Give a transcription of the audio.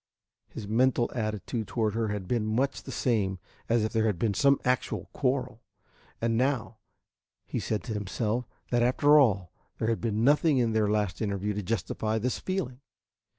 His mental attitude toward her had been much the same as if there had been some actual quarrel, and now he said to himself that, after all, there had been nothing in their last interview to justify this feeling.